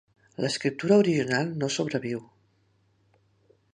L'escriptura original no sobreviu.